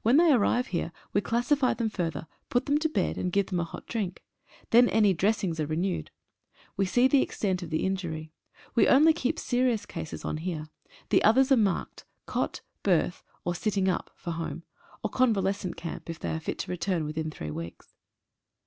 When they arrive here we classify them further, put them to bed, and give them a hot drink. Then any dressings are renewed. We see the extent of the injury. We only keep serious cases on here. The others are marked — cot, berth, or sitting up (for home) — or convalescent camp, if they are fit to return within three weeks.